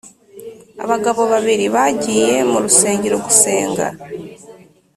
Abagabo babiri bagiye mu rusengero gusenga